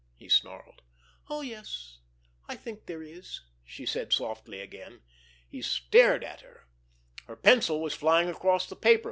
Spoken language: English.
he snarled. "Oh, yes, I think there is," she said softly again. He stared at her. Her pencil was flying across the paper.